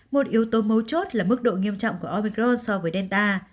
một yếu tố mấu chốt là mức độ nghiêm trọng của opicros so với delta